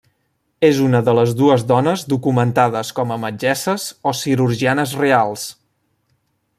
És una de les dues dones documentades com a metgesses o cirurgianes reals.